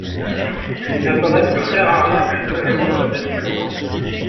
Ils n'apparaissent que très rarement spontanément dans la nature.